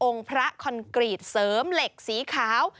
พระคอนกรีตเสริมเหล็กสีขาว